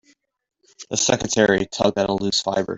The secretary tugged at a loose fibre.